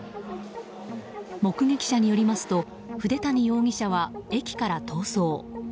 目撃者によりますと筆谷容疑者は駅から逃走。